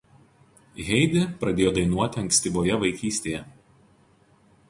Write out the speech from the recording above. Heidi pradėjo dainuoti ankstyvoje vaikystėje.